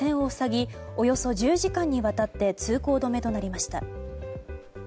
およそ１０時間にわたって通行止めとなりました。